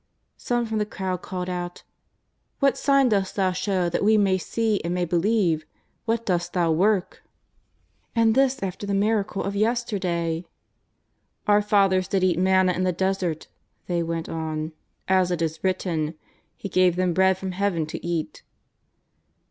Some from the crowd called out: " What sign dost Thou show that we may see and may believe ? What dost Thou work ?" And this after the miracle of yesterday !" Our fathers did eat manna in the desert," they went on, " as it is written :' He gave them bread from Heaven to eat.'